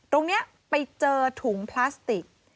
ตรงนี้ไปเจอถุงพลาสติก